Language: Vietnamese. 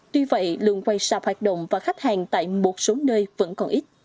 tuy vậy lượng quay sạp hoạt động và khách hàng tại một số nơi vẫn còn ít